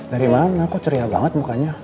dari mana aku ceria banget mukanya